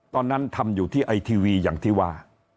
ตอนนั้นทำอยู่ที่ไอทีวีอย่างที่ว่า